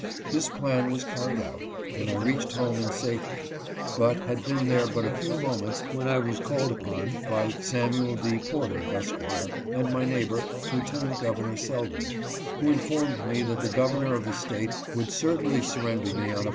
This plan was carried out, and I reached home in safety, but had been there but a few moments when I was called upon by Samuel D. Porter, Esq., and my neighbor, Lieu tenant Governor Selden, who informed me that the gov ernor of the State would certainly surrender me on a GOVERNOR WISE ATTEMPTS HIS ARREST.